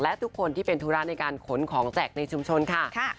และทุกคนที่เป็นธุระในการขนของแจกในชุมชนค่ะ